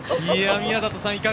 宮里さん。